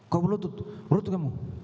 kok berlutut berlutut kamu